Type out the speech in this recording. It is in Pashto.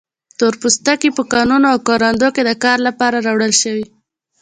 تور پوستکي په کانونو او کروندو کې د کار لپاره راوړل شوي.